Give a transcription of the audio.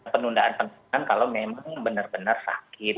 penundaan penundaan kalau memang benar benar sakit